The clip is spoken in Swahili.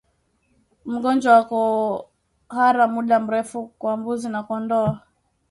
Mgonjwa ya kuhara muda mrefu kwa mbuzi na kondoo